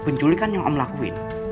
penculikan yang om lakuin